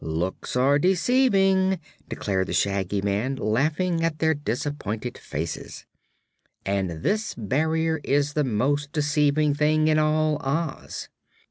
"Looks are deceiving," declared the Shaggy Man, laughing at their disappointed faces, "and this barrier is the most deceiving thing in all Oz."